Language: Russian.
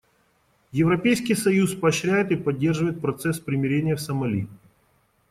Европейский союз поощряет и поддерживает процесс примирения в Сомали.